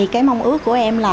cái mong ước của em là